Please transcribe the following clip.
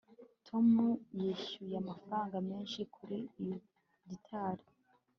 tom yishyuye amafaranga menshi kuri iyo gitari